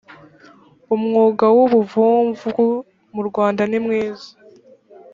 umwuga wubuvumvu mu rwanda nimwiza.